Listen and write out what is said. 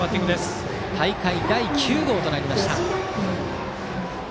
大会第９号となりました。